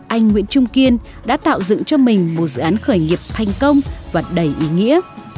anh nguyễn trung kiên đã tạo dựng cho mình một dự án khởi nghiệp thành công và đầy ý nghĩa